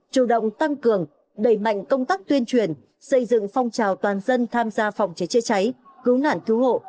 chủ động tăng cường đẩy mạnh công tác tuyên truyền xây dựng phong trào toàn dân tham gia phòng chế chữa cháy cứu nạn cứu hộ